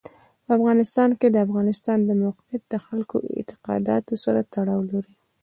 په افغانستان کې د افغانستان د موقعیت د خلکو د اعتقاداتو سره تړاو لري.